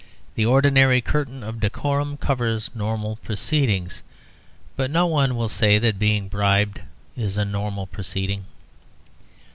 The ordinary curtain of decorum covers normal proceedings. But no one will say that being bribed is a normal proceeding.